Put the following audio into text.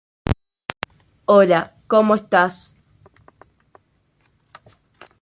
Estas son los posibles valores de la energía de los estados ligados.